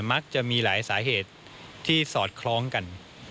มักจะมีหลายสาเหตุที่สอดคล้องกัน